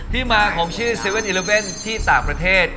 ที่มาของชื่อ๗๑๑ที่ต่างประเทศ